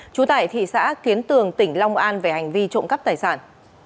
trú tại thị xã kiến tường tỉnh long an về hành vi trộm cắp tài sản